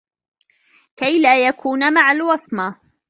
كَيْ لَا يَكُونَ مَعَ الْوَصْمَةِ